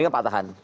ini kan patahan